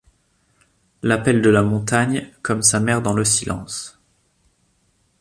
L'appel de la montagne, comme sa mère dans le silence.